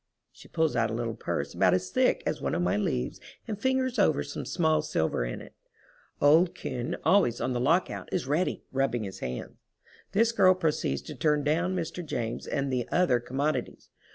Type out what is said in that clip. She pulls out a little purse about as thick as one of my leaves and fingers over some small silver in it. Old Koen, always on the lockout, is ready, rubbing his hands. This girl proceeds to turn down Mr. James and the other commodities.